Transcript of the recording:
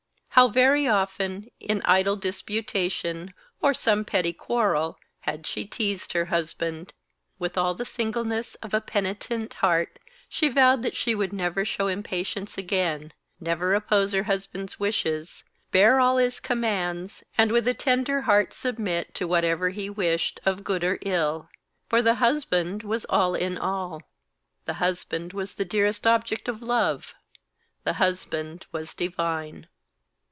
How very often, in idle disputation or some petty quarrel, had she teased her husband! With all the singleness of a penitent heart she vowed that she would never show impatience again, never oppose her husband's wishes, bear all his commands, and with a tender heart submit to whatever he wished of good or ill; for the husband was all in all, the husband was the dearest object of love, the husband was divine.